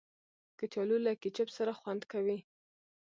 کچالو له کیچپ سره خوند کوي